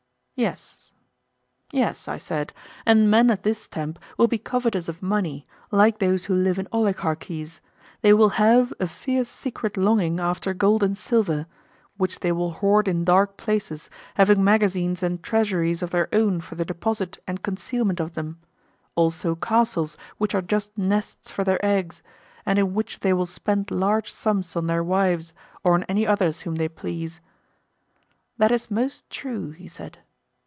Yes. Yes, I said; and men of this stamp will be covetous of money, like those who live in oligarchies; they will have, a fierce secret longing after gold and silver, which they will hoard in dark places, having magazines and treasuries of their own for the deposit and concealment of them; also castles which are just nests for their eggs, and in which they will spend large sums on their wives, or on any others whom they please. That is most true, he said.